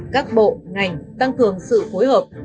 các bộ ngành tăng cường sự phối hợp